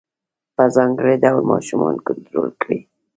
په ځانګړي ډول ماشومان کنترول کړي.